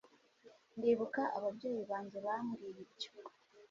Ndibuka ababyeyi banjye bambwiye ibyo